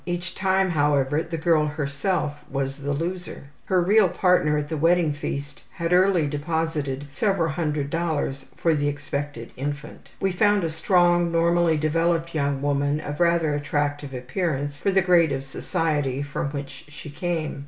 Each time, however, the girl herself was the loser. Her real partner at the wedding feast had early deposited several hundred dollars for the expected infant. We found a strong, normally developed young woman of rather attractive appearance for the grade in society from which she came.